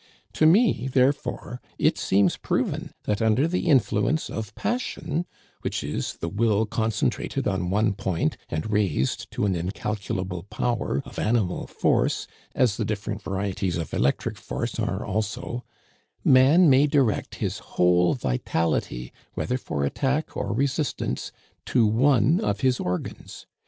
To me, therefore, it seems proven that under the influence of passion, which is the will concentrated on one point and raised to an incalculable power of animal force, as the different varieties of electric force are also, man may direct his whole vitality, whether for attack or resistance, to one of his organs.